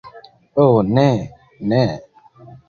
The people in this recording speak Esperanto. Ho, ne! Ne!